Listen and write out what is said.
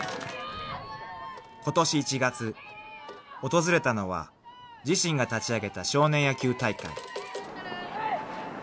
［訪れたのは自身が立ち上げた少年野球大会］